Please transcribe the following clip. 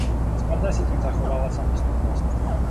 Sparta si tím zachovala samostatnost.